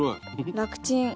楽ちん！